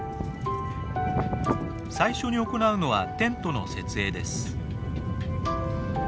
最初に行うのはテントの設営です。